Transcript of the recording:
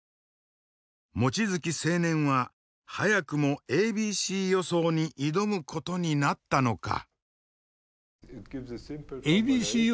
望月青年は早くもａｂｃ予想に挑むことになったのか。